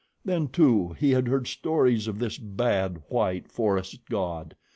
Then, too, he had heard stories of this bad, white forest god.